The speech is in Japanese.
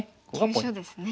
急所ですね。